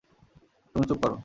তুমি চুপ করো।